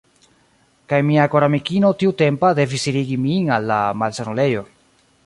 Kaj mia koramikino tiutempa devis irigi min al la malsanulejo.